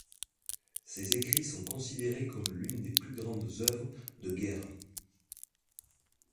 Ces écrits sont considérés comme l'une des plus grandes œuvres de guerre.